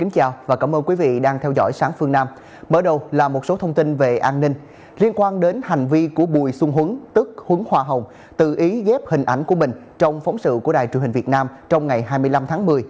các đồng bộ của bùi xuân huấn tức huấn hoa hồng tự ý ghép hình ảnh của mình trong phóng sự của đài truyền hình việt nam trong ngày hai mươi năm tháng một mươi